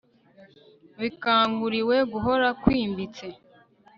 Bikanguriwe guhora kwimbitse